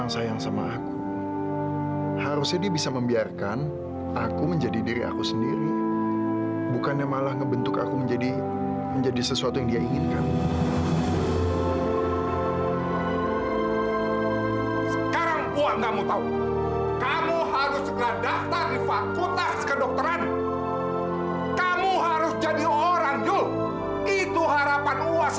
sampai jumpa di video selanjutnya